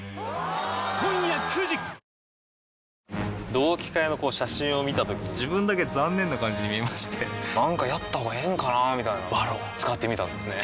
同期会の写真を見たときに自分だけ残念な感じに見えましてなんかやったほうがええんかなーみたいな「ＶＡＲＯＮ」使ってみたんですね